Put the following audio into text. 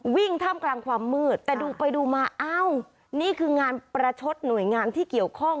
ท่ามกลางความมืดแต่ดูไปดูมาอ้าวนี่คืองานประชดหน่วยงานที่เกี่ยวข้อง